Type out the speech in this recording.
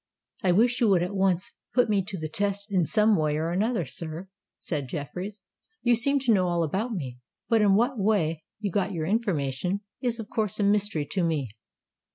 "I wish you would at once put me to the test in some way or another, sir," said Jeffreys. "You seem to know all about me—but in what way you got your information, is of course a mystery to me.